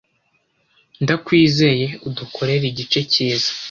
Ndakwizeye, udukorere igice cyiza